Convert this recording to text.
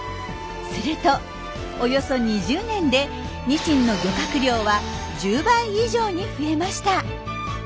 するとおよそ２０年でニシンの漁獲量は１０倍以上に増えました。